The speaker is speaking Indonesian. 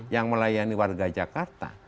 yang melayani warga jakarta